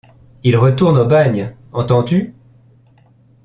Il retourne au bagne, entends-tu ?